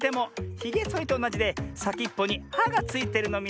ひげそりとおなじでさきっぽにはがついてるのミズよ。